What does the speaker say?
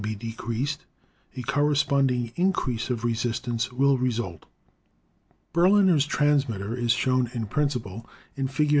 be decreased, a corresponding increase of resistance wilJ. result. Berliner's transmitter is shown in principle in Fig.